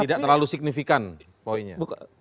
tidak terlalu signifikan poinnya